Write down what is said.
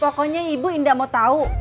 pokoknya ibu indah mau tahu